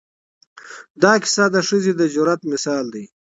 دا کیسه د ښځې د جرأت مثال دی.